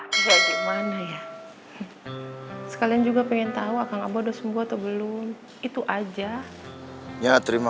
royal gimana saya sekalian juga pengen tahu akan apa dosa dosa belum itu aja ya terima